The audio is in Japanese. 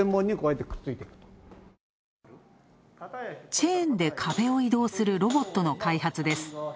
チェーンで壁を移動するロボットの開発です。